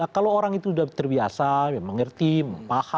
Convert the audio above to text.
kalau orang itu sudah terbiasa mengerti paham